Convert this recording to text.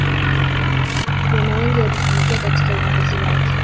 viijana wengi walifanikiwa katika uongozi wake